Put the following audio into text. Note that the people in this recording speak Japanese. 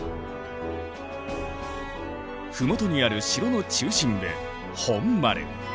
麓にある城の中心部本丸。